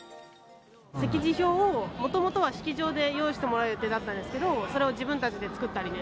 席次表をもともとは式場で用意してもらう予定だったんですけど、それを自分たちで作ったりね。